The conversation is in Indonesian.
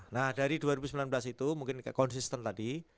jadi dari dua ribu sembilan belas itu mungkin konsisten tadi